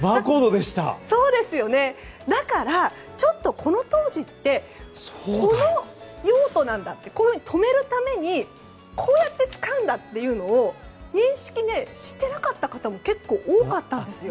この当時ってこの用途なんだって止めるためにこうやって使うんだというのを認識していなかった方も結構多かったんです。